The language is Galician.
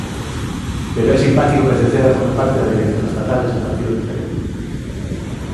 Pero é simpático que Cerceda forme parte da dirección estatal dese partido diferente.